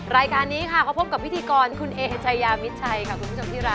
รายการนี้ค่ะเขาพบกับพิธีกรคุณเอชายามิดชัยค่ะคุณผู้ชมที่รัก